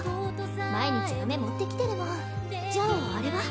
毎日アメ持ってきてるもんじゃあれは？